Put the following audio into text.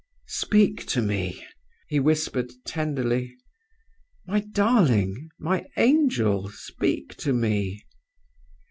"'Speak to me!' he whispered, tenderly. 'My darling, my angel, speak to me!